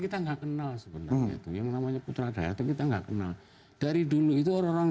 kita nggak kenal sebenarnya itu yang namanya putra dayat kita nggak kenal dari dulu itu orang orang